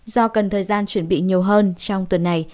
do cần thời gian chuẩn bị nhiều hơn trong tuần này